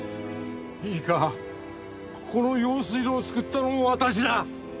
いいかこの用水路を作ったのも私だ！